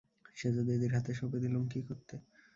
সেজদিদির হাতে সঁপে দিলুম কী করতে?